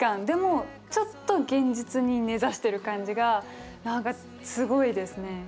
でもちょっと現実に根ざしてる感じが何かすごいですね。